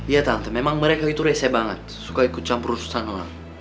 ya tante memang mereka itu reseh banget suka ikut campur urusan orang